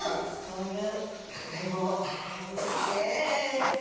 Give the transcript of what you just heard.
そういう考えもあるんですね。